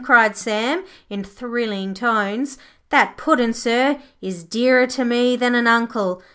cried Sam in thrilling tones. 'That Puddin', sir, is dearer to me than an Uncle.